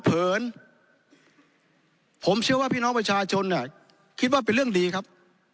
เผินผมเชื่อว่าพี่น้องประชาชนคิดว่าเป็นเรื่องดีครับ